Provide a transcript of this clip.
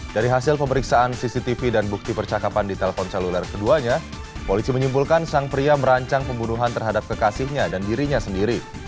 dari hasil pemeriksaan cctv dan bukti percakapan di telpon seluler keduanya polisi menyimpulkan sang pria merancang pembunuhan terhadap kekasihnya dan dirinya sendiri